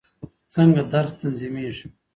څنګه درس تنظیمېږي؟